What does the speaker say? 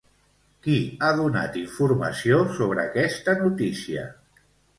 Qui ha donat informació sobre aquesta notícia?